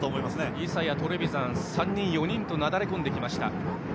伊佐、トレヴィザンなど３人４人となだれ込んできました。